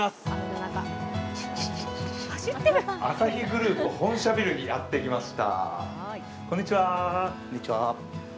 アサヒグループ本社ビルにやってきました。